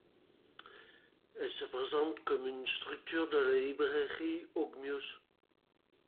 Elle se présente comme une structure de la librairie Ogmios.